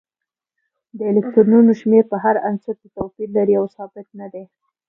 د الکترونونو شمیر په هر عنصر کې توپیر لري او ثابت نه دی